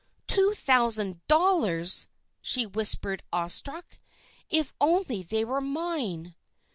"Two thousand dollars!" she whispered awestruck. "If only they were mine!"